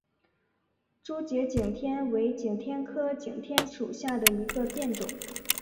珠节景天为景天科景天属下的一个变种。